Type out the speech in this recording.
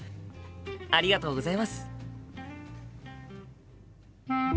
ありがとうございます。